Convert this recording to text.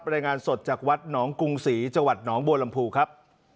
รายงานสดจากวัดหนองกรุงศรีจังหวัดหนองบัวลำพูครับ